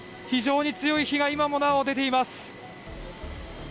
非常に強い火がなおも今出ています。